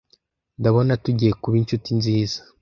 "Ndabona tugiye kuba inshuti nziza."